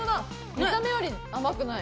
見た目より甘くない。